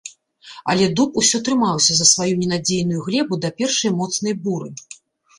Але дуб усё трымаўся за сваю ненадзейную глебу да першай моцнай буры.